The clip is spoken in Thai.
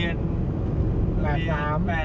ทะเบียนทะเบียนเราเชื่อก่อน